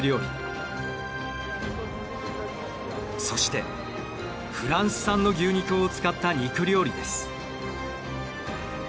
そしてフランス産の牛肉を使った肉料理です。